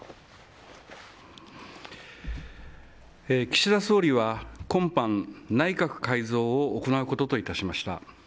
岸田総理は今般、内閣改造を行うことといたしました。